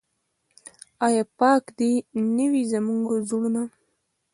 آیا پاک دې نه وي زموږ زړونه؟